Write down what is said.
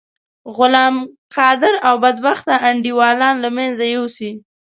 غلام قادر او بدبخته انډيوالان له منځه یوسی.